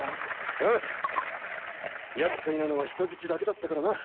あぁやっかいなのは人質だけだったからな。